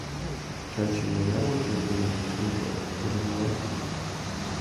Чачи мыняр онча, тунар шӱмжӧ ырымыла чучеш...